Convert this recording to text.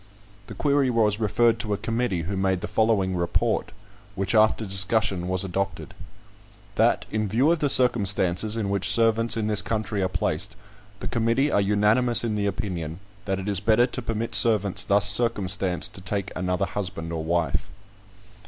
The query was referred to a committee, who made the following report; which, after discussion, was adopted: "That, in view of the circumstances in which servants in this country are placed, the committee are unanimous in the opinion, that it is better to permit servants thus circumstanced to take another husband or wife."